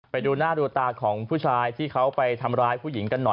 ไปดูหน้าดูตาของผู้ชายที่เขาไปทำร้ายผู้หญิงกันหน่อย